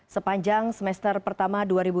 sepanjang semester pertama dua ribu tujuh belas